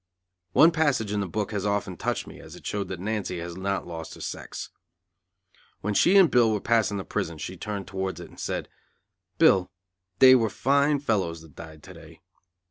One passage in the book has often touched me, as it showed that Nancy had not lost her sex. When she and Bill were passing the prison, she turned towards it and said: "Bill, they were fine fellows that died to day."